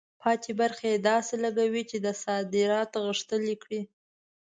پاتې برخه یې داسې لګوي چې صادرات غښتلي کړي.